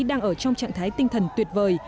đang ở trong trạng thái tinh thần tuyệt vời